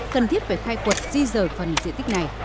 cần thiết về khai cuộc di rời phần di tích này